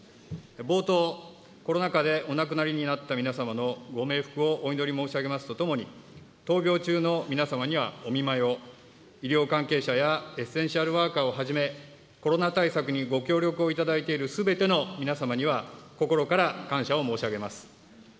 冒頭、コロナ禍でお亡くなりになった皆様のご冥福をお祈り申し上げますとともに、闘病中の皆様にはお見舞いを、医療関係者やエッセンシャルワーカーをはじめ、コロナ対策にご協力をいただいているすべての皆様には、心から感謝を申し上げます。